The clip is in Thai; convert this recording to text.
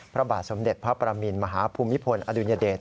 พระบาทสมเด็จพระประมินมหาภูมิพลอดุญเดช